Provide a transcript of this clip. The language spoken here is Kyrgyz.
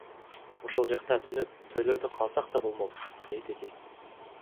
Ошол жакта түнөп, тоолордо калсак да болмок, — дейт Эдил.